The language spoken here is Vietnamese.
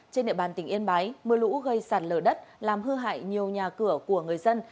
trên địa bàn tỉnh yên bái mưa lũ gây sạt lở đất làm hư hại nhiều nhà cửa của người dân